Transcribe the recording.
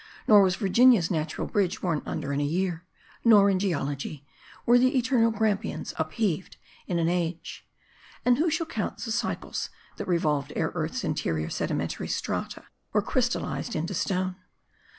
Nor was Virginia's Natu ral Bridge worn under in a year ; nor, in geology, were the eternal Grampians upheaved in an age. And who shall count the cycles that revolved ere earth's interior sedimen tary strata were crystalized into stone.